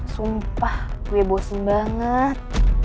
sumpah gue bosen banget